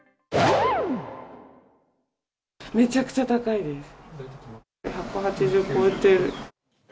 めちゃくちゃ高いです。